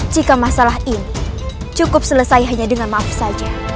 jika masalah ini cukup selesai hanya dengan maaf saja